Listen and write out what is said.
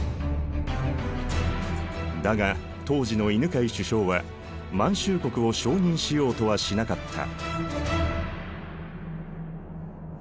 だが当時の犬養首相は満洲国を承認しようとはしなかった。